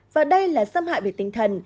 và đây là xâm hại về tinh thần